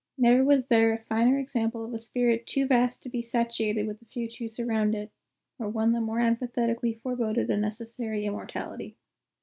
Never was there a finer example of a spirit too vast to be satiated with the few truths around it, or one that more emphatically foreboded a necessary immortality."